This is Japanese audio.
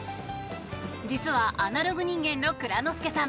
実はアナログ人間の蔵之介さん。